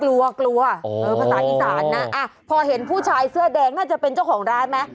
กลัวกลัวภาษาอีสานนะพอเห็นผู้ชายเสื้อแดงน่าจะเป็นเจ้าของร้านไหม